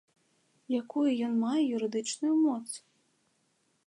Якую ён мае юрыдычную моц?